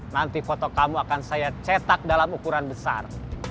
nanti foto kamu akan saya cetak dalam ukuran besar